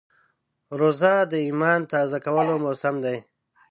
روژه د ایمان تازه کولو موسم دی.